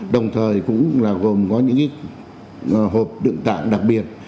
đồng thời cũng là gồm có những hộp đựng tạng đặc biệt